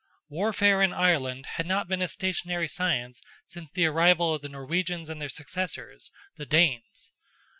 Warfare in Ireland had not been a stationary science since the arrival of the Norwegians and their successors, the Danes.